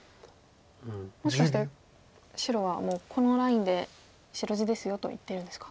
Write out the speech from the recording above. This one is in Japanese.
もしかして白はもう「このラインで白地ですよ」と言ってるんですか。